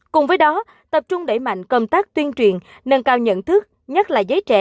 cùng với đó tập trung đẩy mạnh công tác tuyên truyền nâng cao nhận thức nhất là giới trẻ